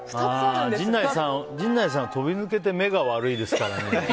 陣内さんは飛び抜けて目が悪いですからね。